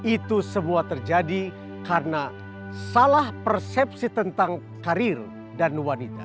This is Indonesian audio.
itu semua terjadi karena salah persepsi tentang karir dan wanita